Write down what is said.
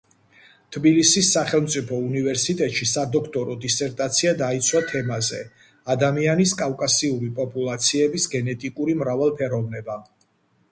თბილისის სახელმწიფო უნივერსიტეტში სადოქტორო დისერტაცია დაიცვა თემაზე: „ადამიანის კავკასიური პოპულაციების გენეტიკური მრავალფეროვნება“.